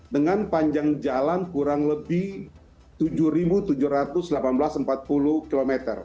dengan panjang jalan kurang lebih tujuh tujuh ratus delapan belas empat puluh km